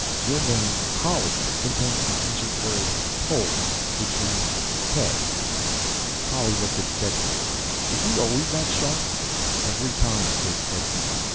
'_ Your name, Polly, contains the ancient word 'Poll' which means head." Polly looked at Stetson. "Is he always that sharp?" "Every time," said Stetson.